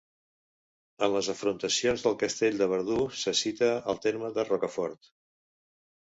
En les afrontacions del castell de Verdú se cita el terme de Rocafort.